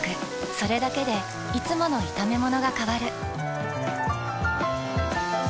それだけでいつもの炒めものが変わる。